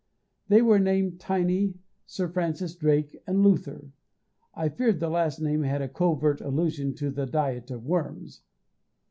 They were named Tiny, Sir Francis Drake, and Luther I fear the last name had a covert allusion to the "Diet of Worms."